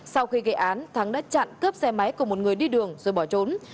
sau khi gây án thắng đã chặn cướp xe máy của một người đi đường rồi bỏ trốn